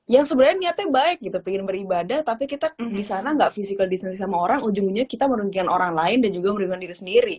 yang sebenarnya niatnya baik gitu pengen beribadah tapi kita di sana nggak physical distancing sama orang ujung ujungnya kita merugikan orang lain dan juga merugikan diri sendiri